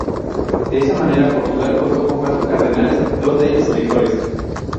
De esta manera, Portugal contó con cuatro cardenales, dos de ellos electores.